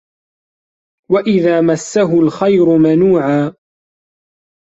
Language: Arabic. وَإِذا مَسَّهُ الخَيرُ مَنوعًا